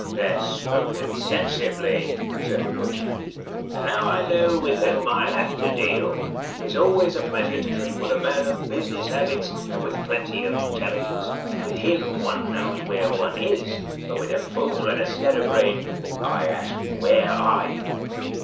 1 That 's spoken sensibly,' said the butcher. 'And now I know with whom I have to deal. It's always a pleasure to treat with a man of business habits and with plenty of intelligence. With him one knows where one is, but with a fool and a scatterbrain I ask Where are you?'